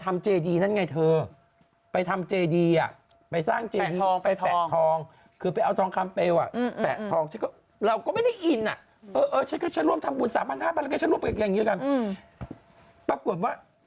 มารุกกับนักครณ์อืม